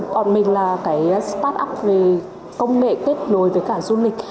bọn mình là cái start up về công nghệ kết nối với cả du lịch